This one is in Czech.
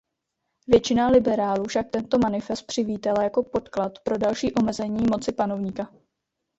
Většina liberálů však tento manifest přivítala jako podklad pro další omezení moci panovníka.